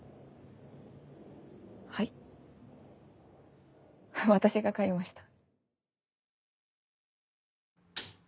はい私が買いました。